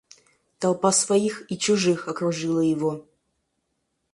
Толпа своих и чужих окружила его.